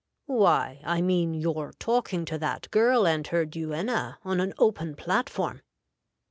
'Why, I mean your talking to that girl and her duenna on an open platform.'